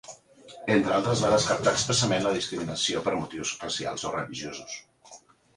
Entre altres, va descartar expressament la discriminació per motius racials o religiosos.